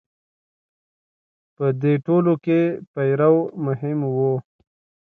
په دوی ټولو کې پیرو مهم و.